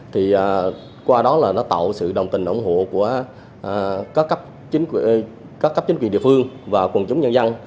thì qua đó là nó tạo sự đồng tình ủng hộ của các cấp chính quyền địa phương và quần chúng nhân dân